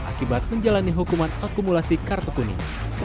akibat menjalani hukuman akumulasi kartu kuning